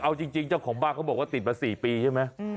เอาจริงเจ้าของบ้านเขาบอกว่าติดมา๔ปีใช่ไหม